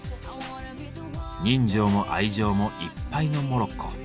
人情も愛情もいっぱいのモロッコ。